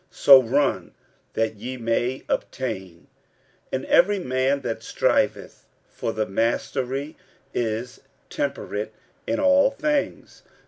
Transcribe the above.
So run, that ye may obtain. 46:009:025 And every man that striveth for the mastery is temperate in all things.